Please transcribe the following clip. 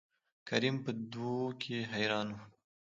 کريم په دو کې حيران وو.